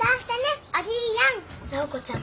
直子ちゃん